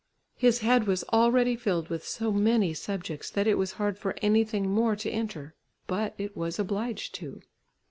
His head was already filled with so many subjects, that it was hard for anything more to enter, but it was obliged to.